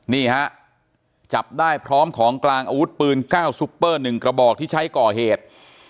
นี่ฮะจับได้พร้อมของกลางอาวุธปืน๙ซุปเปอร์๑กระบอกที่ใช้ก่อเหตุ